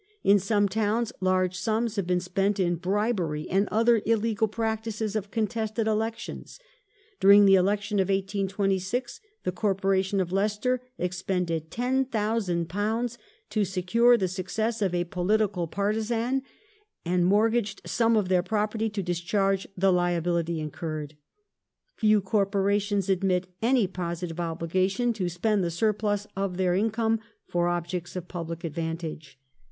... In some towns large sums have been spent in bribery and other illegal practices of contested elections. During the election of 1826 the Corporation of Leicester expended £10,000 to secure the success of a political partisan and mortgaged some of their property to discharge the liability incurred. ... Few Corporations admit any positive obligation to spend the surplus of their income for objects of public advantage.